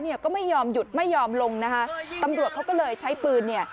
เนี่ยก็ไม่ยอมหยุดไม่ยอมลงนะคะตำรวจเขาก็เลยใช้ปืนเนี่ย